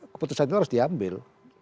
keputusan itu harus diambil